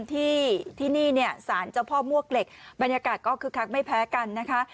ที่ที่นี่เนี่ยสารเจ้าพ่อมวกเหล็กบรรยากาศก็คึกคักไม่แพ้กันนะคะ